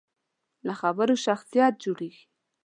له خبرو شخصیت جوړېږي.